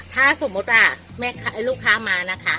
ถ้าสมมุติว่าลูกค้ามานะคะ